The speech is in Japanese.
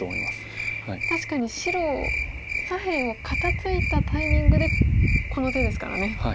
確かに白左辺を肩ツイたタイミングでこの手ですからね。